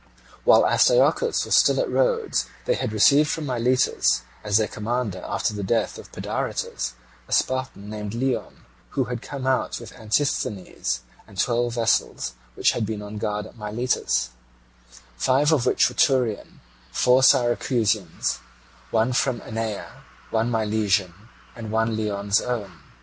While Astyochus was still at Rhodes they had received from Miletus, as their commander after the death of Pedaritus, a Spartan named Leon, who had come out with Antisthenes, and twelve vessels which had been on guard at Miletus, five of which were Thurian, four Syracusans, one from Anaia, one Milesian, and one Leon's own.